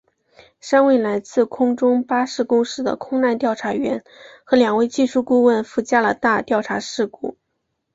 三位来自空中巴士公司的空难调查员和两位技术顾问赴加拿大调查事故。